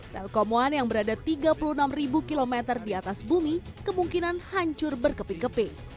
telkom one yang berada tiga puluh enam km di atas bumi kemungkinan hancur berkeping keping